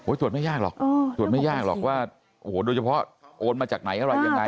ตรวจไม่ยากหรอกตรวจไม่ยากหรอกว่าโอ้โหโดยเฉพาะโอนมาจากไหนอะไรยังไง